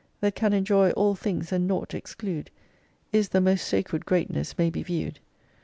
That can enjoy all things and nought exclude, Is the most sacred greatness may be viewed.